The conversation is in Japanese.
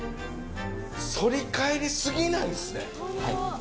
反り返りすぎなんですね。